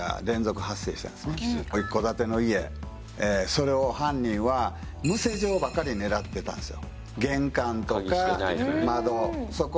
それを犯人は無施錠ばっかり狙ってたんですよ。